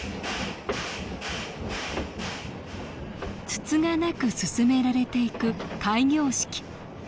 つつがなく進められていく開業式。